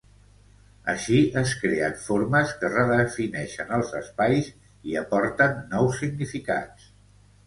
Així es creen formes que redefineixen els espais i aporten nous significats.